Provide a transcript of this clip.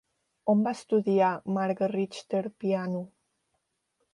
On va estudiar Marga Richter piano?